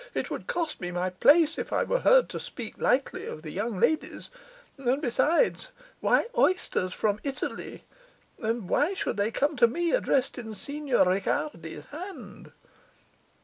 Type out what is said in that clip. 'It would cost me my place if I were heard to speak lightly of the young ladies; and besides, why oysters from Italy? and why should they come to me addressed in Signor Ricardi's hand?